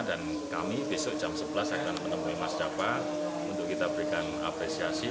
dan kami besok jam sebelas akan menemui mas dava untuk kita berikan apresiasi